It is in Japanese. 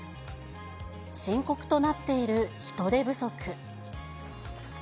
深刻となっている人手不足。